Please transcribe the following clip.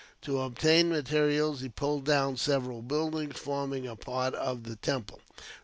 To obtain materials, he pulled down several buildings forming a part of the temple.